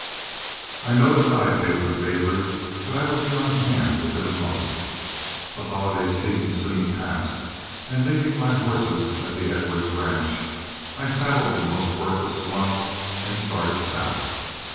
I notified Major Mabry that I would be on hand within a month. The holiday season soon passed, and leaving my horses at the Edwards ranch, I saddled the most worthless one and started south.